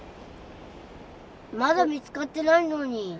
まだ見つかってないのに。